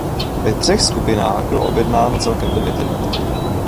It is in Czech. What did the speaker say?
Ve třech skupinách bylo objednáno celkem devět jednotek.